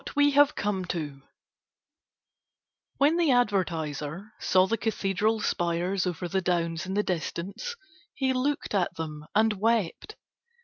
WHAT WE HAVE COME TO When the advertiser saw the cathedral spires over the downs in the distance, he looked at them and wept.